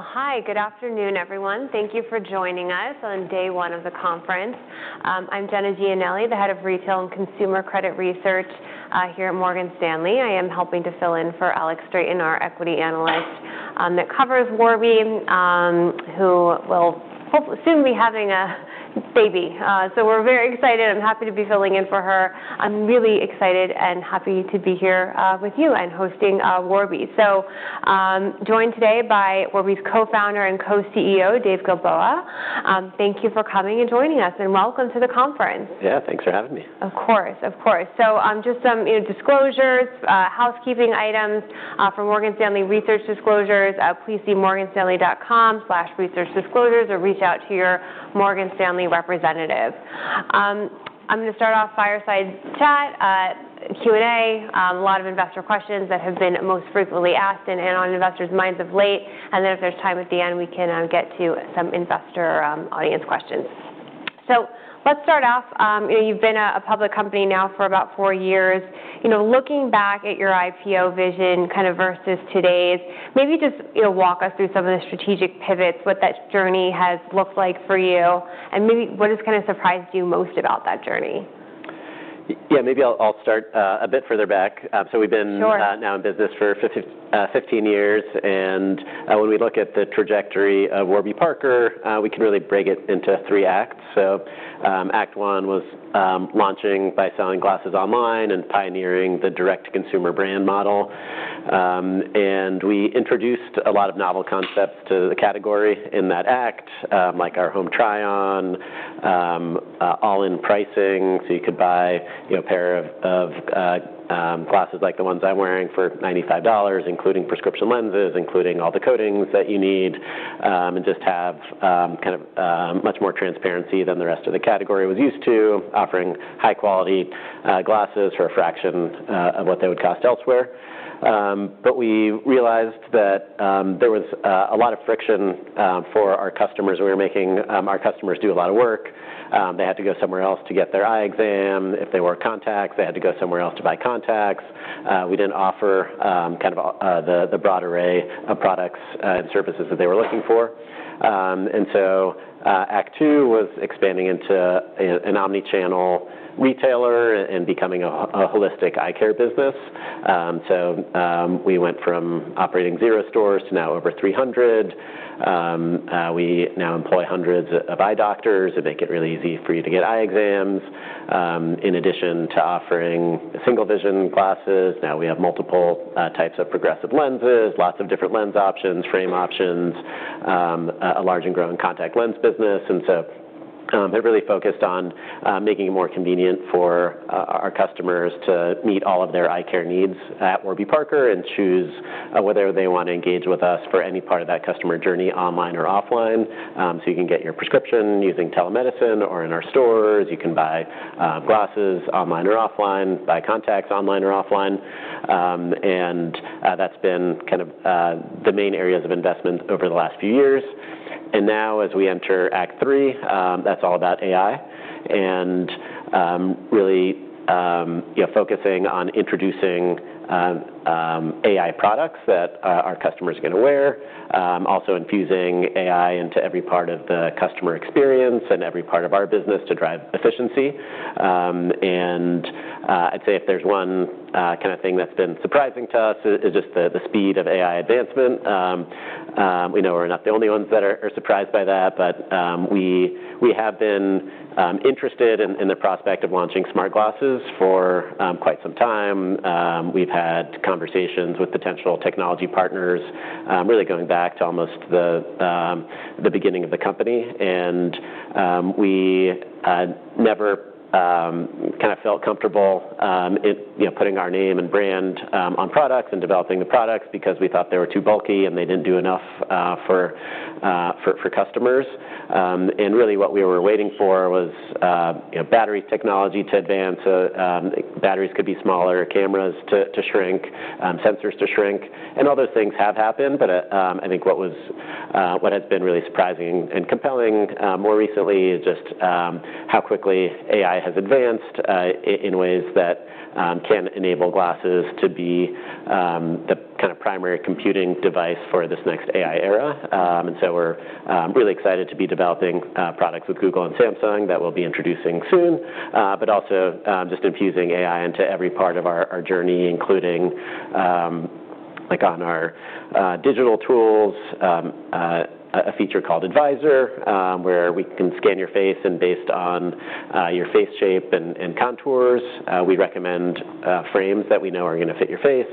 Hi. Good afternoon, everyone. Thank you for joining us on day one of the conference. I'm Jenna Giannelli, the Head of Retail and Consumer Credit research here at Morgan Stanley. I am helping to fill in for Alex Straton, our equity analyst, that covers Warby, who will soon be having a baby. We're very excited. I'm happy to be filling in for her. I'm really excited and happy to be here with you and hosting Warby. Joined today by Warby's Co-Founder and Co-CEO, Dave Gilboa. Thank you for coming and joining us, and welcome to the conference. Yeah, thanks for having me. Of course, of course. So just some disclosures, housekeeping items for Morgan Stanley research disclosures. Please see morganstanley.com/researchdisclosures or reach out to your Morgan Stanley representative. I'm going to start off fireside chat, Q&A, a lot of investor questions that have been most frequently asked and on investors' minds of late. And then if there's time at the end, we can get to some investor audience questions. So let's start off. You've been a public company now for about four years. Looking back at your IPO vision kind of versus today's, maybe just walk us through some of the strategic pivots, what that journey has looked like for you, and maybe what has kind of surprised you most about that journey. Yeah, maybe I'll start a bit further back, so we've been now in business for 15 years, and when we look at the trajectory of Warby Parker, we can really break it into three acts, so Act One was launching by selling glasses online and pioneering the direct-to-consumer brand model, and we introduced a lot of novel concepts to the category in that act, like our home try-on, all-in pricing, so you could buy a pair of glasses like the ones I'm wearing for $95, including prescription lenses, including all the coatings that you need, and just have kind of much more transparency than the rest of the category was used to, offering high-quality glasses for a fraction of what they would cost elsewhere, but we realized that there was a lot of friction for our customers. We were making our customers do a lot of work. They had to go somewhere else to get their eye exam. If they wore contacts, they had to go somewhere else to buy contacts. We didn't offer kind of the broad array of products and services that they were looking for. And so Act Two was expanding into an omnichannel retailer and becoming a holistic eye care business. So we went from operating zero stores to now over 300 stores. We now employ hundreds of eye doctors and make it really easy for you to get eye exams. In addition to offering single-vision glasses, now we have multiple types of progressive lenses, lots of different lens options, frame options, a large and growing contact lens business. It really focused on making it more convenient for our customers to meet all of their eye care needs at Warby Parker and choose whether they want to engage with us for any part of that customer journey online or offline. So you can get your prescription using telemedicine or in our stores. You can buy glasses online or offline, buy contacts online or offline. And that's been kind of the main areas of investment over the last few years. And now as we enter Act Three, that's all about AI and really focusing on introducing AI products that our customers can wear, also infusing AI into every part of the customer experience and every part of our business to drive efficiency. And I'd say if there's one kind of thing that's been surprising to us, it's just the speed of AI advancement. We know we're not the only ones that are surprised by that, but we have been interested in the prospect of launching smart glasses for quite some time. We've had conversations with potential technology partners really going back to almost the beginning of the company. And we never kind of felt comfortable putting our name and brand on products and developing the products because we thought they were too bulky and they didn't do enough for customers. And really what we were waiting for was battery technology to advance. Batteries could be smaller, cameras to shrink, sensors to shrink, and other things have happened. But I think what has been really surprising and compelling more recently is just how quickly AI has advanced in ways that can enable glasses to be the kind of primary computing device for this next AI era. And so we're really excited to be developing products with Google and Samsung that we'll be introducing soon, but also just infusing AI into every part of our journey, including on our digital tools, a feature called Advisor, where we can scan your face and based on your face shape and contours, we recommend frames that we know are going to fit your face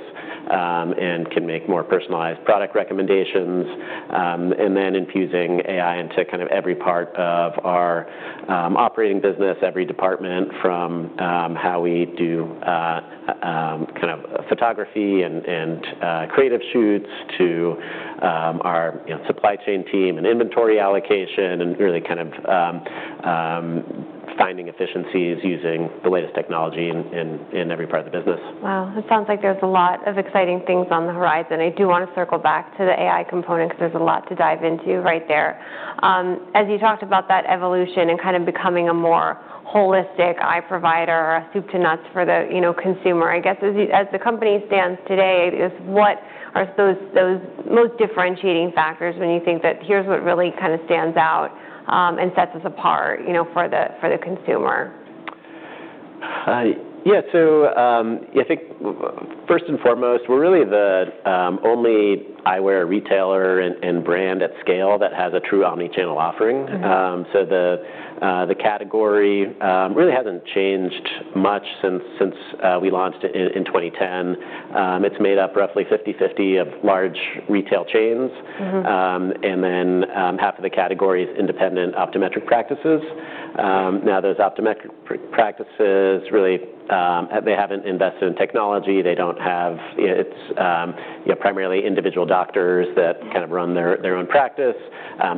and can make more personalized product recommendations. And then infusing AI into kind of every part of our operating business, every department from how we do kind of photography and creative shoots to our supply chain team and inventory allocation and really kind of finding efficiencies using the latest technology in every part of the business. Wow. It sounds like there's a lot of exciting things on the horizon. I do want to circle back to the AI component because there's a lot to dive into right there. As you talked about that evolution and kind of becoming a more holistic eye provider, a soup to nuts for the consumer, I guess as the company stands today, what are those most differentiating factors when you think that here's what really kind of stands out and sets us apart for the consumer? Yeah. So I think first and foremost, we're really the only eyewear retailer and brand at scale that has a true omnichannel offering. So the category really hasn't changed much since we launched it in 2010. It's made up roughly 50/50 of large retail chains. And then half of the category is independent optometric practices. Now those optometric practices, really, they haven't invested in technology. They don't have. It's primarily individual doctors that kind of run their own practice.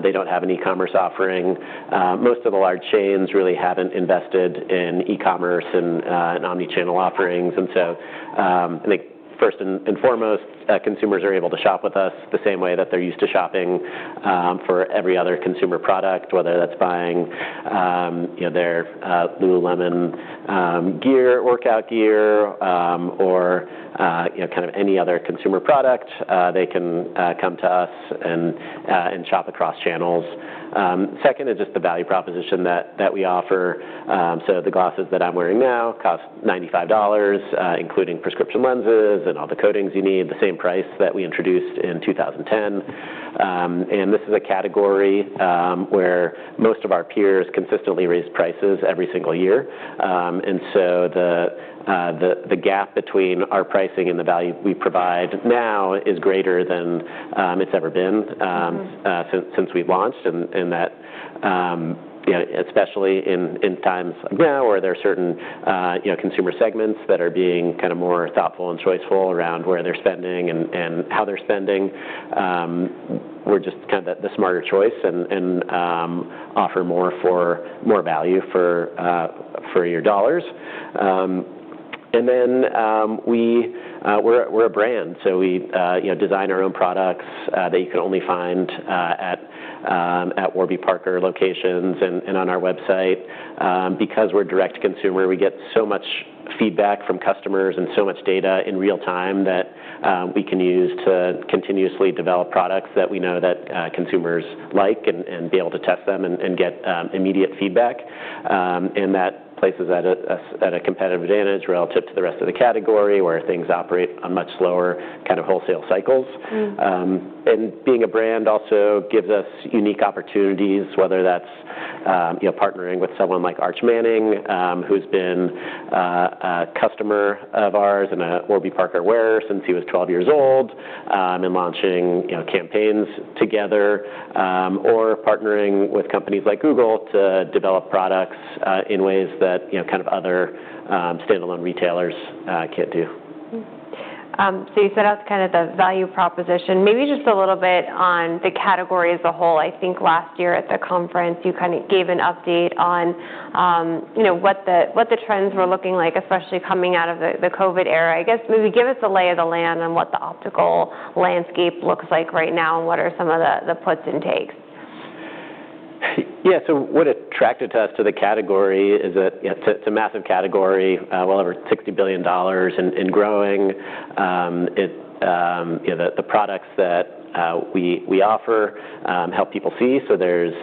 They don't have an e-commerce offering. Most of the large chains really haven't invested in e-commerce and omnichannel offerings. And so I think first and foremost, consumers are able to shop with us the same way that they're used to shopping for every other consumer product, whether that's buying their Lululemon gear, workout gear, or kind of any other consumer product. They can come to us and shop across channels. Second is just the value proposition that we offer. So the glasses that I'm wearing now cost $95, including prescription lenses and all the coatings you need, the same price that we introduced in 2010. And this is a category where most of our peers consistently raise prices every single year. And so the gap between our pricing and the value we provide now is greater than it's ever been since we've launched, and that especially in times now where there are certain consumer segments that are being kind of more thoughtful and choiceful around where they're spending and how they're spending, we're just kind of the smarter choice and offer more value for your dollars. And then we're a brand, so we design our own products that you can only find at Warby Parker locations and on our website. Because we're direct to consumer, we get so much feedback from customers and so much data in real time that we can use to continuously develop products that we know that consumers like and be able to test them and get immediate feedback. And that places us at a competitive advantage relative to the rest of the category where things operate on much slower kind of wholesale cycles. And being a brand also gives us unique opportunities, whether that's partnering with someone like Arch Manning, who's been a customer of ours and a Warby Parker wearer since he was 12 years old, and launching campaigns together, or partnering with companies like Google to develop products in ways that kind of other standalone retailers can't do. So you set out kind of the value proposition. Maybe just a little bit on the category as a whole. I think last year at the conference, you kind of gave an update on what the trends were looking like, especially coming out of the COVID era. I guess maybe give us a lay of the land on what the optical landscape looks like right now and what are some of the puts and takes. Yeah. So what attracted us to the category is that it's a massive category, well over $60 billion and growing. The products that we offer help people see. So there's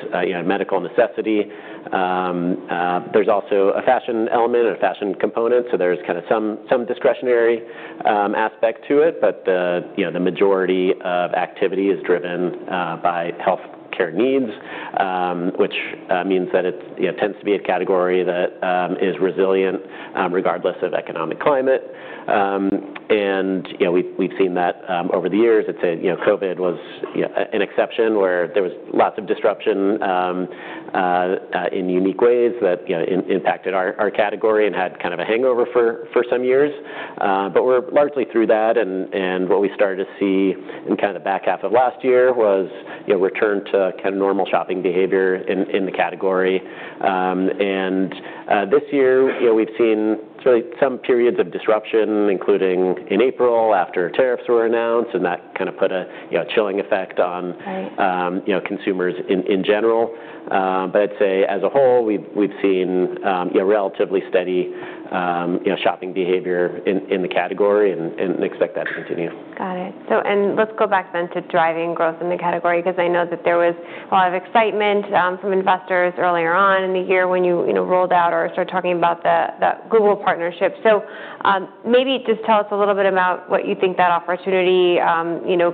medical necessity. There's also a fashion element or fashion component. So there's kind of some discretionary aspect to it, but the majority of activity is driven by healthcare needs, which means that it tends to be a category that is resilient regardless of economic climate, and we've seen that over the years. I'd say COVID was an exception where there was lots of disruption in unique ways that impacted our category and had kind of a hangover for some years, but we're largely through that, and what we started to see in kind of the back half of last year was return to kind of normal shopping behavior in the category. And this year, we've seen some periods of disruption, including in April after tariffs were announced, and that kind of put a chilling effect on consumers in general. But I'd say as a whole, we've seen relatively steady shopping behavior in the category and expect that to continue. Got it. And let's go back then to driving growth in the category because I know that there was a lot of excitement from investors earlier on in the year when you rolled out or started talking about the Google partnership. So maybe just tell us a little bit about what you think that opportunity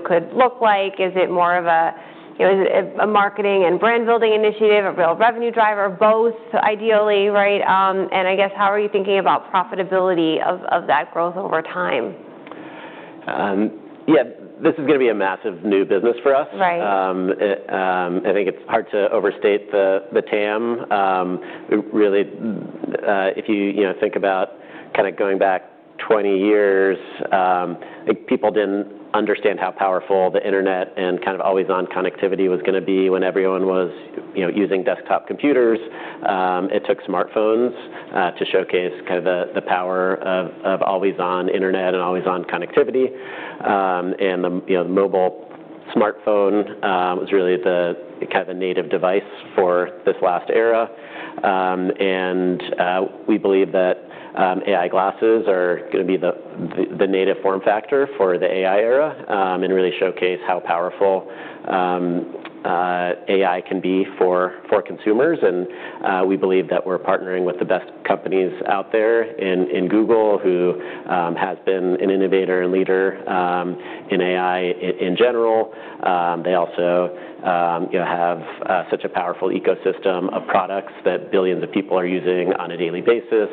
could look like. Is it more of a marketing and brand-building initiative, a real revenue driver, both ideally, right? And I guess how are you thinking about profitability of that growth over time? Yeah. This is going to be a massive new business for us. I think it's hard to overstate the TAM. Really, if you think about kind of going back 20 years, people didn't understand how powerful the internet and kind of always-on connectivity was going to be when everyone was using desktop computers. It took smartphones to showcase kind of the power of always-on internet and always-on connectivity. And the mobile smartphone was really kind of a native device for this last era. And we believe that AI glasses are going to be the native form factor for the AI era and really showcase how powerful AI can be for consumers. And we believe that we're partnering with the best companies out there, including Google, who has been an innovator and leader in AI in general. They also have such a powerful ecosystem of products that billions of people are using on a daily basis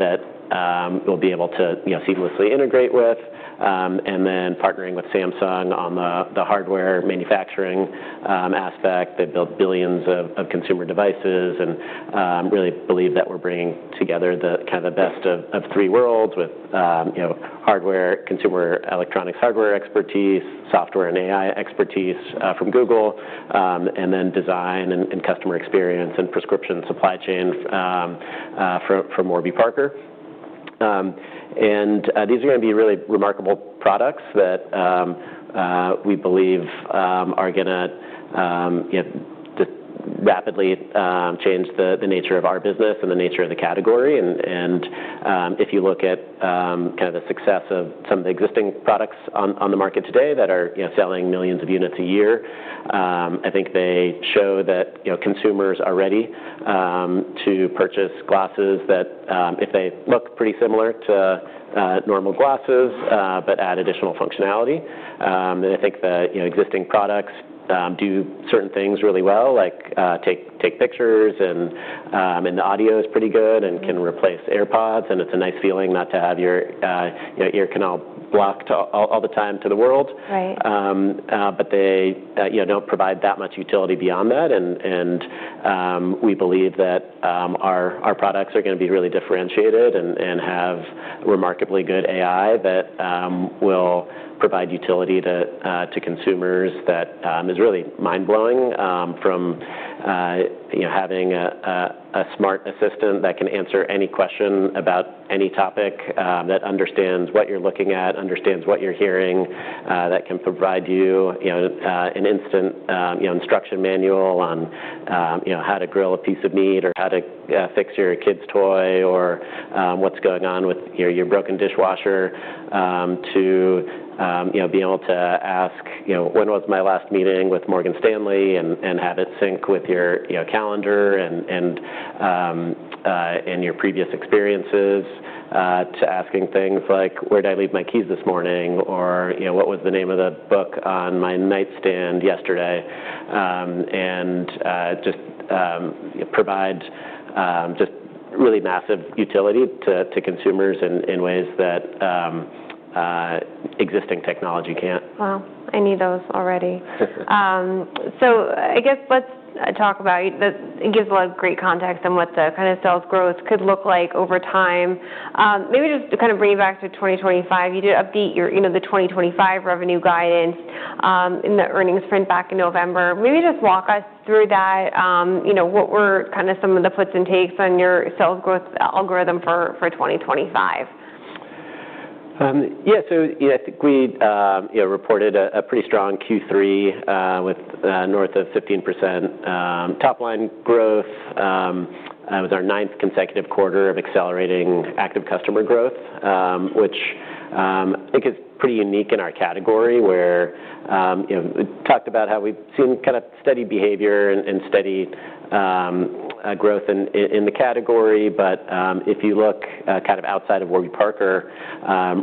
that we'll be able to seamlessly integrate with. And then partnering with Samsung on the hardware manufacturing aspect, they built billions of consumer devices and really believe that we're bringing together the kind of the best of three worlds with hardware, consumer electronics hardware expertise, software and AI expertise from Google, and then design and customer experience and prescription supply chain for Warby Parker. And these are going to be really remarkable products that we believe are going to rapidly change the nature of our business and the nature of the category. And if you look at kind of the success of some of the existing products on the market today that are selling millions of units a year, I think they show that consumers are ready to purchase glasses that if they look pretty similar to normal glasses, but add additional functionality. And I think the existing products do certain things really well, like take pictures and the audio is pretty good and can replace AirPods. And it's a nice feeling not to have your ear canal blocked all the time to the world. But they don't provide that much utility beyond that. And we believe that our products are going to be really differentiated and have remarkably good AI that will provide utility to consumers that is really mind-blowing, from having a smart assistant that can answer any question about any topic, that understands what you're looking at, understands what you're hearing, that can provide you an instant instruction manual on how to grill a piece of meat or how to fix your kid's toy or what's going on with your broken dishwasher, to be able to ask, "When was my last meeting with Morgan Stanley?" and have it sync with your calendar and your previous experiences, to asking things like, "Where did I leave my keys this morning?" or, "What was the name of the book on my nightstand yesterday?" And just provide just really massive utility to consumers in ways that existing technology can't. Wow. I need those already. So I guess let's talk about it. It gives a lot of great context on what the kind of sales growth could look like over time. Maybe just to kind of bring you back to 2025, you did update the 2025 revenue guidance in the earnings print back in November. Maybe just walk us through that, what were kind of some of the puts and takes on your sales growth algorithm for 2025? Yeah. So I think we reported a pretty strong Q3 with north of 15% top-line growth. It was our ninth consecutive quarter of accelerating active customer growth, which I think is pretty unique in our category where we talked about how we've seen kind of steady behavior and steady growth in the category. But if you look kind of outside of Warby Parker,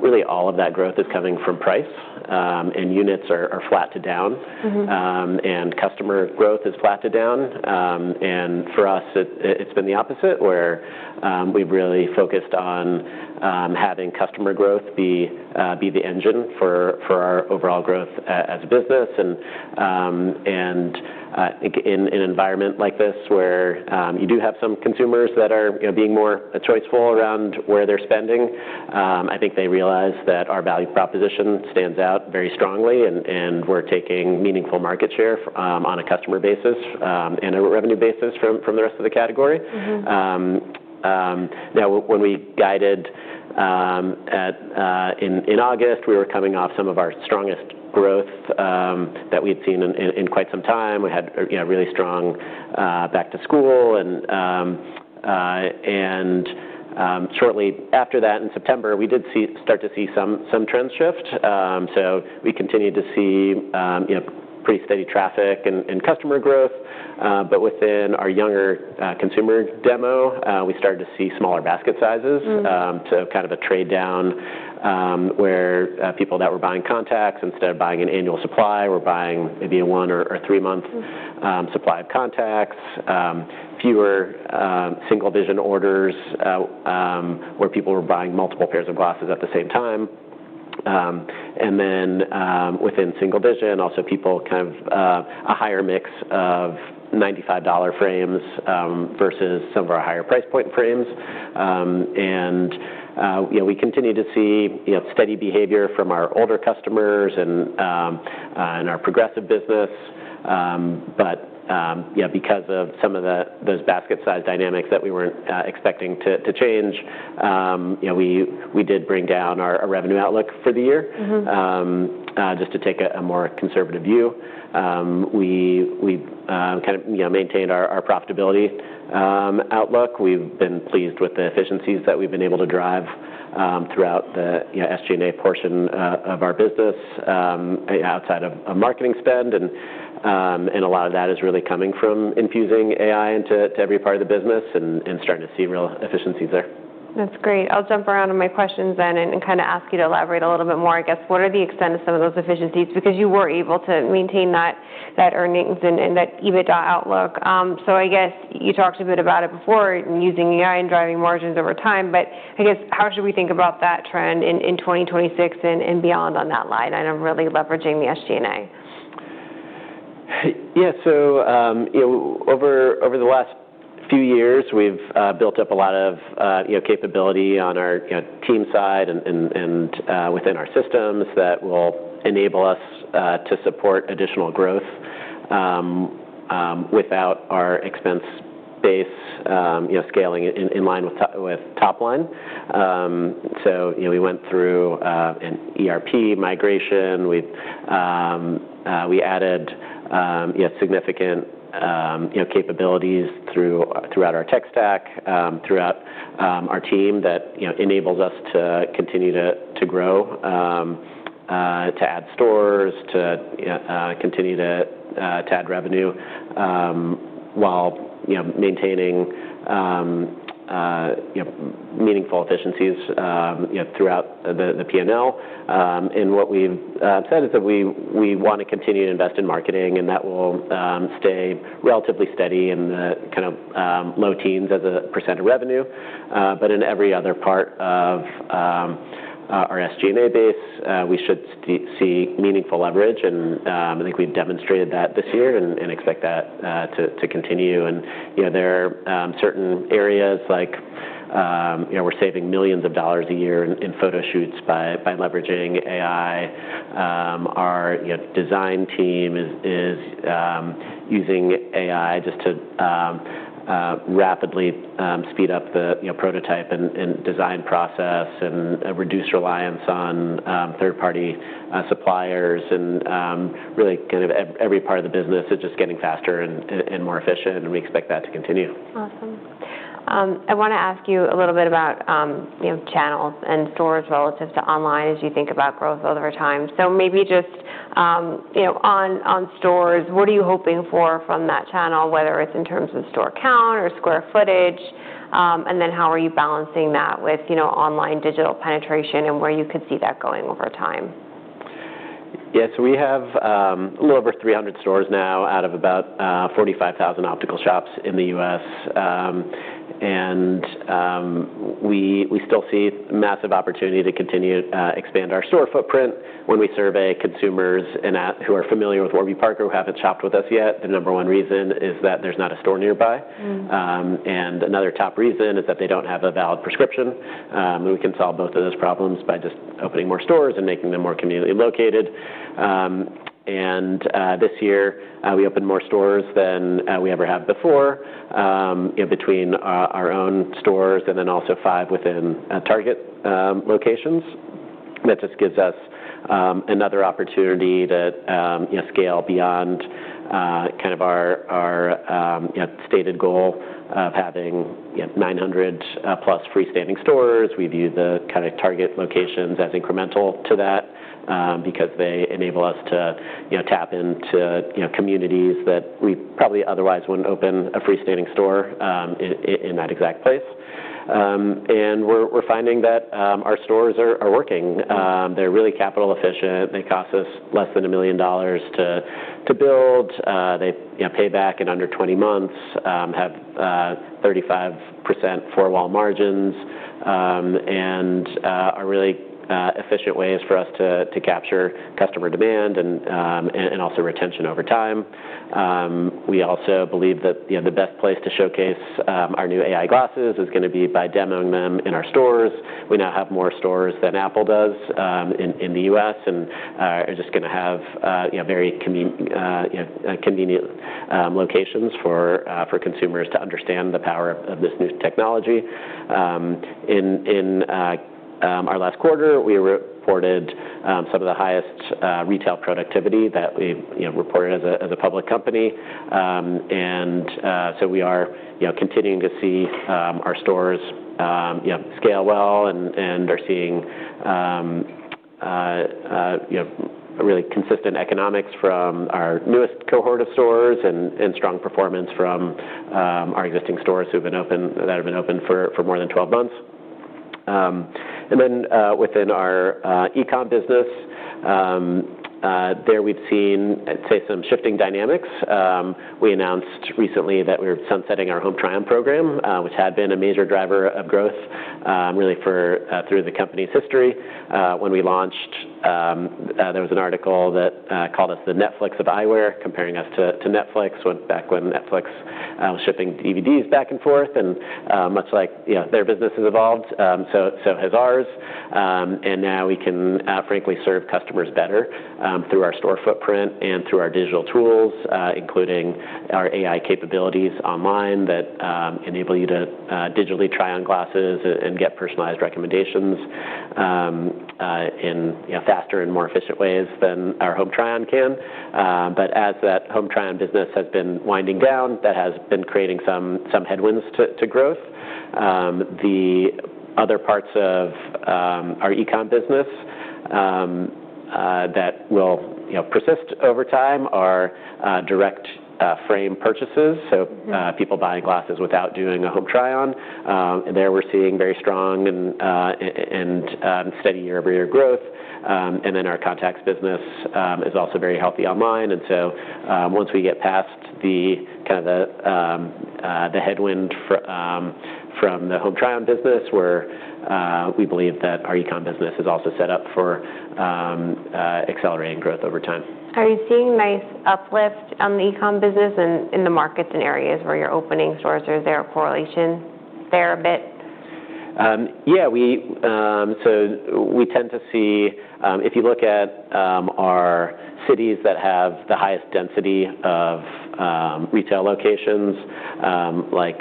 really all of that growth is coming from price and units are flat to down and customer growth is flat to down. And for us, it's been the opposite where we've really focused on having customer growth be the engine for our overall growth as a business. And in an environment like this where you do have some consumers that are being more choiceful around where they're spending, I think they realize that our value proposition stands out very strongly and we're taking meaningful market share on a customer basis and a revenue basis from the rest of the category. Now, when we guided in August, we were coming off some of our strongest growth that we'd seen in quite some time. We had really strong back to school. And shortly after that, in September, we did start to see some trend shift. So we continued to see pretty steady traffic and customer growth. But within our younger consumer demo, we started to see smaller basket sizes. So kind of a trade-down where people that were buying contacts instead of buying an annual supply were buying maybe a one or three-month supply of contacts, fewer single-vision orders where people were buying multiple pairs of glasses at the same time. And then within single-vision, also people kind of a higher mix of $95 frames versus some of our higher price point frames. And we continue to see steady behavior from our older customers and our progressive business. But because of some of those basket-size dynamics that we weren't expecting to change, we did bring down our revenue outlook for the year just to take a more conservative view. We kind of maintained our profitability outlook. We've been pleased with the efficiencies that we've been able to drive throughout the SG&A portion of our business outside of marketing spend. A lot of that is really coming from infusing AI into every part of the business and starting to see real efficiencies there. That's great. I'll jump around on my questions then and kind of ask you to elaborate a little bit more. I guess what are the extent of some of those efficiencies? Because you were able to maintain that earnings and that EBITDA outlook. So I guess you talked a bit about it before using AI and driving margins over time. But I guess how should we think about that trend in 2026 and beyond on that line and really leveraging the SG&A? Yeah. So over the last few years, we've built up a lot of capability on our team side and within our systems that will enable us to support additional growth without our expense base scaling in line with top-line. So we went through an ERP migration. We added significant capabilities throughout our tech stack, throughout our team that enables us to continue to grow, to add stores, to continue to add revenue while maintaining meaningful efficiencies throughout the P&L. And what we've said is that we want to continue to invest in marketing and that will stay relatively steady in the kind of low teens percent of revenue. But in every other part of our SG&A base, we should see meaningful leverage. And I think we've demonstrated that this year and expect that to continue. There are certain areas like we're saving millions of dollars a year in photo shoots by leveraging AI. Our design team is using AI just to rapidly speed up the prototype and design process and reduce reliance on third-party suppliers. Really kind of every part of the business is just getting faster and more efficient. We expect that to continue. Awesome. I want to ask you a little bit about channels and stores relative to online as you think about growth over time. So maybe just on stores, what are you hoping for from that channel, whether it's in terms of store count or square footage? And then how are you balancing that with online digital penetration and where you could see that going over time? Yeah. So we have a little over 300 stores now out of about 45,000 optical shops in the U.S. And we still see massive opportunity to continue to expand our store footprint. When we survey consumers who are familiar with Warby Parker, who haven't shopped with us yet, the number one reason is that there's not a store nearby. And another top reason is that they don't have a valid prescription. We can solve both of those problems by just opening more stores and making them more community located. And this year, we opened more stores than we ever had before between our own stores and then also five within Target locations. That just gives us another opportunity to scale beyond kind of our stated goal of having 900+ freestanding stores. We view the kind of Target locations as incremental to that because they enable us to tap into communities that we probably otherwise wouldn't open a freestanding store in that exact place. And we're finding that our stores are working. They're really capital efficient. They cost us less than $1 million to build. They pay back in under 20 months, have 35% four-wall margins, and are really efficient ways for us to capture customer demand and also retention over time. We also believe that the best place to showcase our new AI glasses is going to be by demoing them in our stores. We now have more stores than Apple does in the U.S. and are just going to have very convenient locations for consumers to understand the power of this new technology. In our last quarter, we reported some of the highest retail productivity that we reported as a public company, and so we are continuing to see our stores scale well and are seeing really consistent economics from our newest cohort of stores and strong performance from our existing stores that have been open for more than 12 months, and then within our e-com business, there, we've seen, I'd say, some shifting dynamics. We announced recently that we were sunsetting our Home Try-On program, which had been a major driver of growth really through the company's history. When we launched, there was an article that called us the Netflix of eyewear, comparing us to Netflix back when Netflix was shipping DVDs back and forth, and much like their business has evolved, so has ours. And now we can frankly serve customers better through our store footprint and through our digital tools, including our AI capabilities online that enable you to digitally try on glasses and get personalized recommendations in faster and more efficient ways than our Home Try-On can. But as that Home Try-On business has been winding down, that has been creating some headwinds to growth. The other parts of our e-com business that will persist over time are direct frame purchases, so people buying glasses without doing a Home Try-On. There we're seeing very strong and steady year-over-year growth. And then our contacts business is also very healthy online. And so once we get past kind of the headwind from the Home Try-On business, we believe that our e-com business is also set up for accelerating growth over time. Are you seeing nice uplift on the e-com business in the markets and areas where you're opening stores? Is there a correlation there a bit? Yeah. So we tend to see if you look at our cities that have the highest density of retail locations like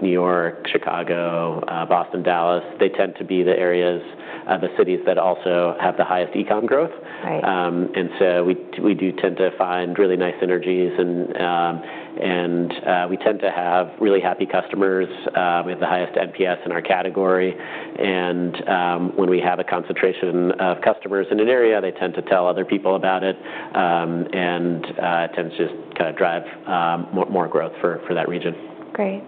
New York, Chicago, Boston, Dallas, they tend to be the areas, the cities that also have the highest e-com growth. And so we do tend to find really nice synergies. And we tend to have really happy customers. We have the highest NPS in our category. And when we have a concentration of customers in an area, they tend to tell other people about it. And it tends to just kind of drive more growth for that region. Great.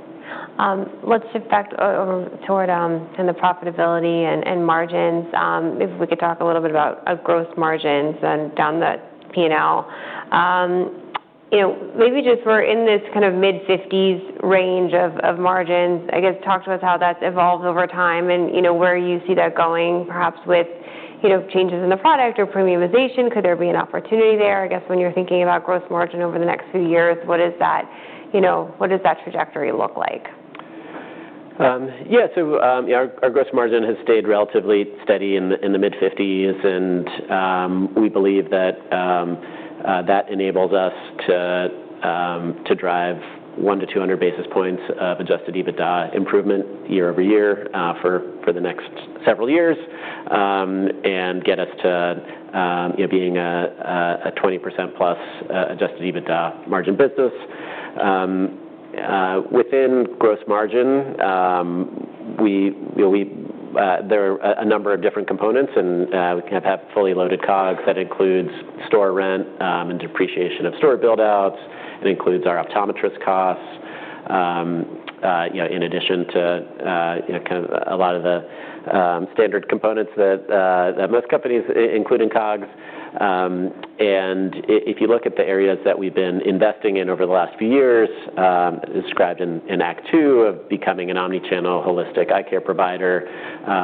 Let's shift back toward kind of profitability and margins. If we could talk a little bit about gross margins and down the P&L. Maybe just, we're in this kind of mid-50s range of margins. I guess talk to us how that's evolved over time and where you see that going, perhaps with changes in the product or premiumization. Could there be an opportunity there? I guess when you're thinking about gross margin over the next few years, what does that trajectory look like? Yeah. So our gross margin has stayed relatively steady in the mid-50s. And we believe that that enables us to drive 1 basis points to 200 basis points of Adjusted EBITDA improvement year over year for the next several years and get us to being a 20%+ Adjusted EBITDA margin business. Within gross margin, there are a number of different components. And we have fully loaded COGS that includes store rent and depreciation of store buildouts. It includes our optometrist costs in addition to kind of a lot of the standard components that most companies include in COGS. And if you look at the areas that we've been investing in over the last few years, as described in Act Two of becoming an omnichannel holistic eye care provider,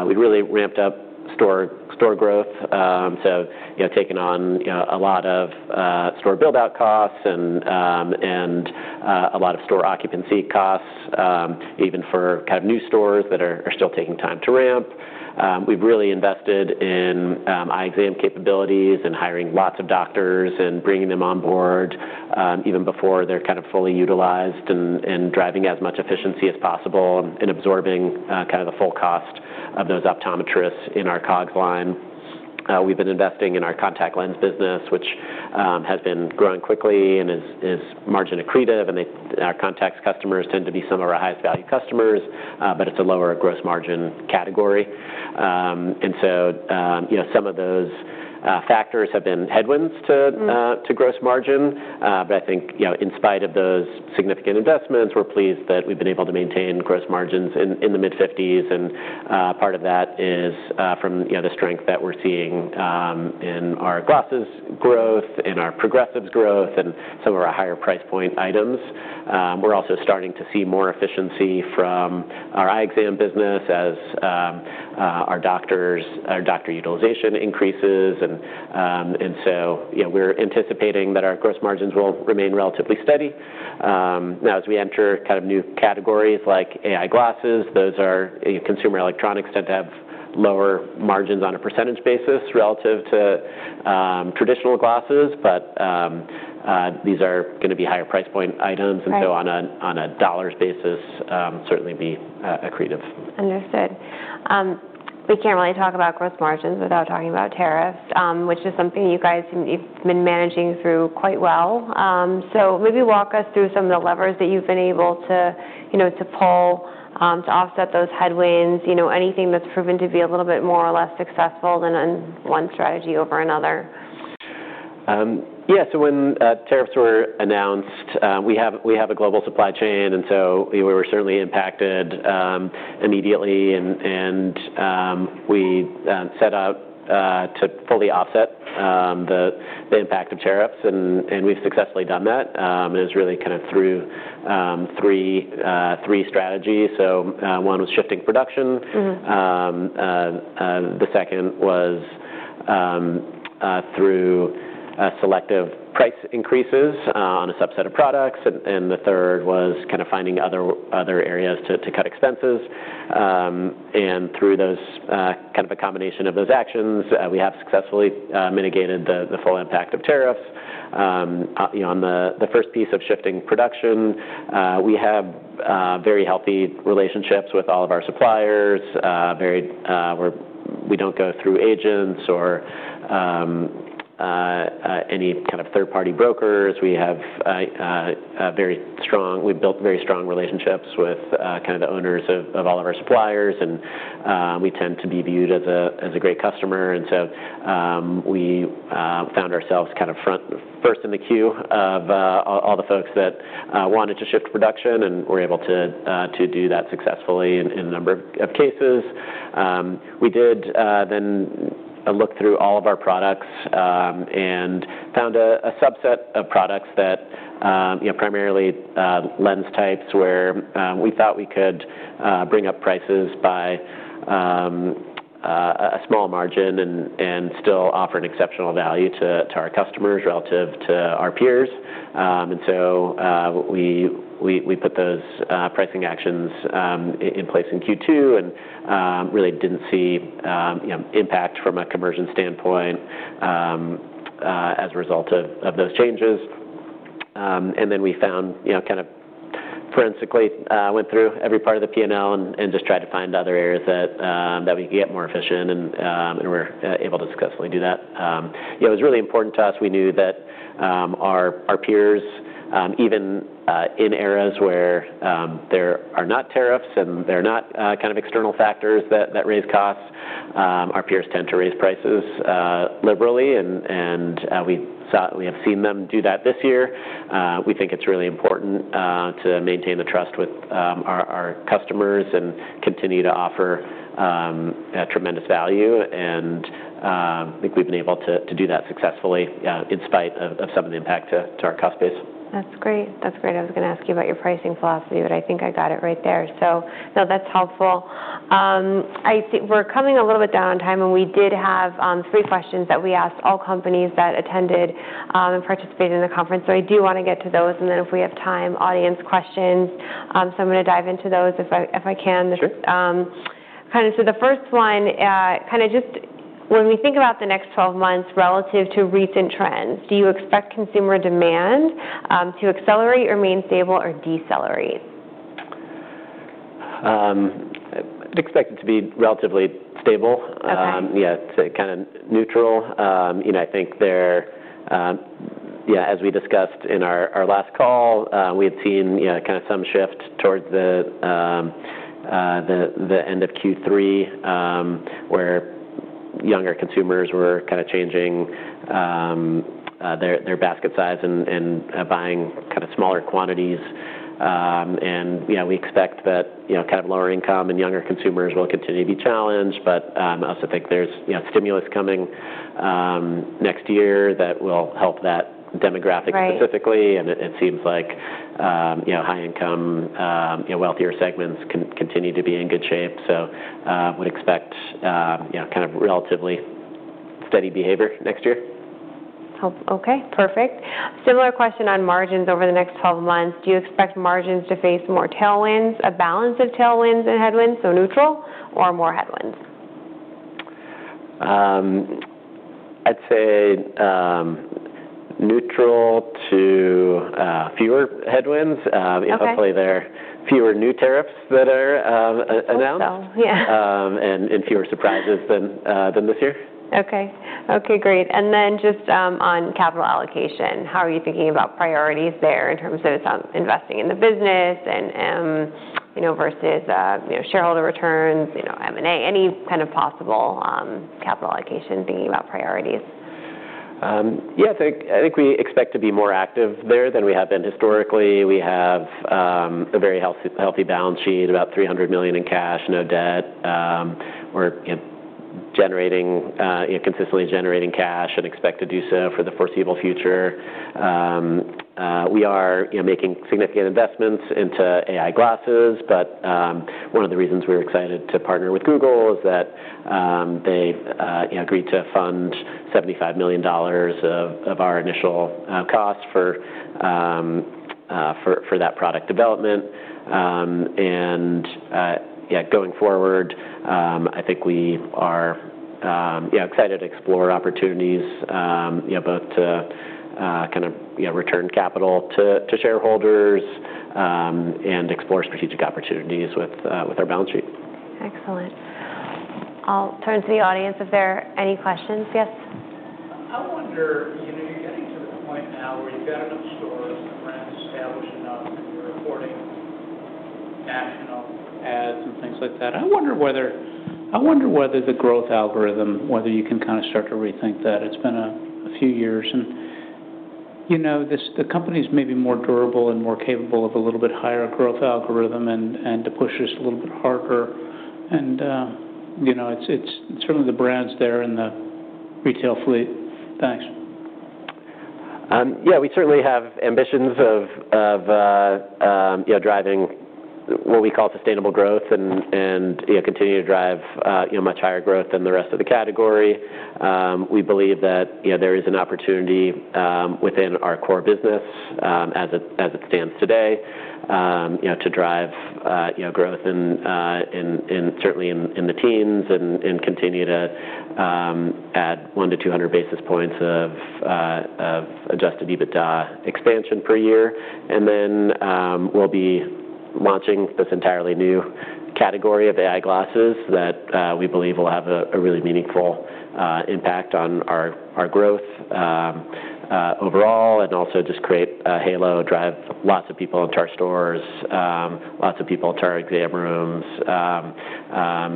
we really ramped up store growth. So, taking on a lot of store buildout costs and a lot of store occupancy costs, even for kind of new stores that are still taking time to ramp. We've really invested in eye exam capabilities and hiring lots of doctors and bringing them on board even before they're kind of fully utilized and driving as much efficiency as possible and absorbing kind of the full cost of those optometrists in our COGS line. We've been investing in our contact lens business, which has been growing quickly and is margin accretive, and our contact customers tend to be some of our highest value customers, but it's a lower gross margin category. And so some of those factors have been headwinds to gross margin, but I think in spite of those significant investments, we're pleased that we've been able to maintain gross margins in the mid-50s%. Part of that is from the strength that we're seeing in our glasses growth, in our progressives growth, and some of our higher price point items. We're also starting to see more efficiency from our eye exam business as our doctor utilization increases. We're anticipating that our gross margins will remain relatively steady. Now, as we enter kind of new categories like AI glasses, those, as consumer electronics, tend to have lower margins on a percentage basis relative to traditional glasses. But these are going to be higher price point items. On a dollars basis, certainly be accretive. Understood. We can't really talk about gross margins without talking about tariffs, which is something you guys have been managing through quite well. So maybe walk us through some of the levers that you've been able to pull to offset those headwinds, anything that's proven to be a little bit more or less successful than one strategy over another? Yeah. So when tariffs were announced, we have a global supply chain, and so we were certainly impacted immediately, and we set out to fully offset the impact of tariffs, and we've successfully done that, and it was really kind of through three strategies, so one was shifting production, the second was through selective price increases on a subset of products, and the third was kind of finding other areas to cut expenses, and through kind of a combination of those actions, we have successfully mitigated the full impact of tariffs. On the first piece of shifting production, we have very healthy relationships with all of our suppliers. We don't go through agents or any kind of third-party brokers. We have very strong, we've built very strong relationships with kind of the owners of all of our suppliers, and we tend to be viewed as a great customer. And so we found ourselves kind of first in the queue of all the folks that wanted to shift production and were able to do that successfully in a number of cases. We did then look through all of our products and found a subset of products that primarily lens types where we thought we could bring up prices by a small margin and still offer an exceptional value to our customers relative to our peers. And so we put those pricing actions in place in Q2 and really didn't see impact from a conversion standpoint as a result of those changes. And then we kind of forensically went through every part of the P&L and just tried to find other areas that we could get more efficient. And we're able to successfully do that. It was really important to us. We knew that our peers, even in areas where there are not tariffs and there are not kind of external factors that raise costs, our peers tend to raise prices liberally. And we have seen them do that this year. We think it's really important to maintain the trust with our customers and continue to offer tremendous value. And I think we've been able to do that successfully in spite of some of the impact to our cost base. That's great. That's great. I was going to ask you about your pricing philosophy, but I think I got it right there. So no, that's helpful. We're coming a little bit down on time. And we did have three questions that we asked all companies that attended and participated in the conference. So I do want to get to those. And then if we have time, audience questions. So I'm going to dive into those if I can. Kind of so the first one, kind of just when we think about the next 12 months relative to recent trends, do you expect consumer demand to accelerate, remain stable, or decelerate? I'd expect it to be relatively stable, yeah, to kind of neutral. I think there, as we discussed in our last call, we had seen kind of some shift towards the end of Q3 where younger consumers were kind of changing their basket size and buying kind of smaller quantities, and we expect that kind of lower income and younger consumers will continue to be challenged, but I also think there's stimulus coming next year that will help that demographic specifically, and it seems like high-income, wealthier segments continue to be in good shape, so I would expect kind of relatively steady behavior next year. Okay. Perfect. Similar question on margins over the next 12 months. Do you expect margins to face more tailwinds, a balance of tailwinds and headwinds, so neutral or more headwinds? I'd say neutral to fewer headwinds. Hopefully, there are fewer new tariffs that are announced and fewer surprises than this year. Okay. Great. And then just on capital allocation, how are you thinking about priorities there in terms of investing in the business versus shareholder returns, M&A, any kind of possible capital allocation thinking about priorities? Yeah. I think we expect to be more active there than we have been historically. We have a very healthy balance sheet, about $300 million in cash, no debt. We're consistently generating cash and expect to do so for the foreseeable future. We are making significant investments into AI glasses. But one of the reasons we're excited to partner with Google is that they agreed to fund $75 million of our initial cost for that product development. And going forward, I think we are excited to explore opportunities both to kind of return capital to shareholders and explore strategic opportunities with our balance sheet. Excellent. Toward the audience, if there are any questions, yes? I wonder, you're getting to the point now where you've got enough stores and brands established enough that you're affording national, and things like that. I wonder whether the growth algorithm, whether you can kind of start to rethink that. It's been a few years, and the company's maybe more durable and more capable of a little bit higher growth algorithm and to push just a little bit harder, and certainly, the brands there and the retail fleet. Thanks. Yeah. We certainly have ambitions of driving what we call sustainable growth and continue to drive much higher growth than the rest of the category. We believe that there is an opportunity within our core business as it stands today to drive growth and certainly in the teens and continue to add 1 basis points-200 basis points of Adjusted EBITDA expansion per year. And then we'll be launching this entirely new category of AI glasses that we believe will have a really meaningful impact on our growth overall and also just create a halo, drive lots of people into our stores, lots of people into our exam rooms,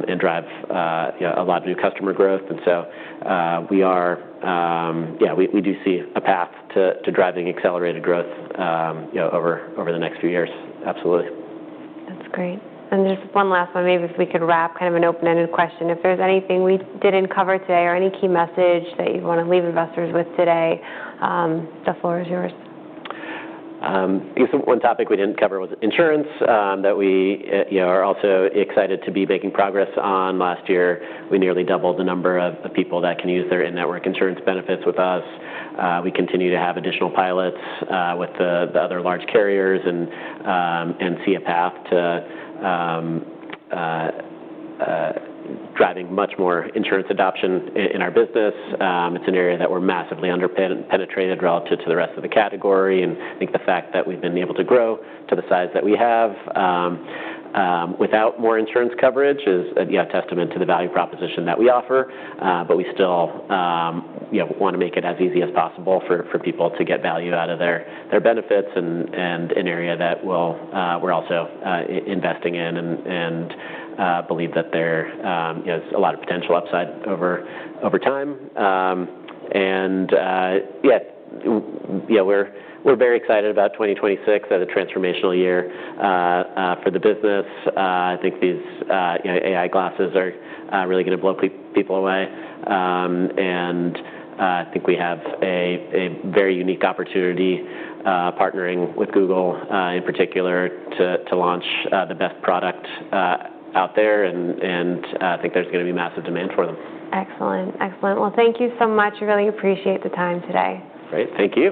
and drive a lot of new customer growth. And so we are yeah, we do see a path to driving accelerated growth over the next few years. Absolutely. That's great. And just one last one, maybe if we could wrap kind of an open-ended question. If there's anything we didn't cover today or any key message that you want to leave investors with today, the floor is yours. I guess one topic we didn't cover was insurance that we are also excited to be making progress on. Last year, we nearly doubled the number of people that can use their in-network insurance benefits with us. We continue to have additional pilots with the other large carriers and see a path to driving much more insurance adoption in our business. It's an area that we're massively underpenetrated relative to the rest of the category. And I think the fact that we've been able to grow to the size that we have without more insurance coverage is a testament to the value proposition that we offer. But we still want to make it as easy as possible for people to get value out of their benefits and an area that we're also investing in and believe that there's a lot of potential upside over time. Yeah, we're very excited about 2026 as a transformational year for the business. I think these AI glasses are really going to blow people away. And I think we have a very unique opportunity partnering with Google in particular to launch the best product out there. And I think there's going to be massive demand for them. Excellent. Excellent. Well, thank you so much. We really appreciate the time today. Great. Thank you.